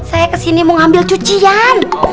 saya ke sini mau ambil cucian